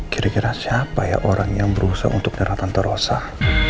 kira kira siapa ya orang yang berusaha untuk daratan torosah